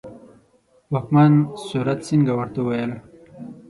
واکمن سورت سینګه ورته وویل.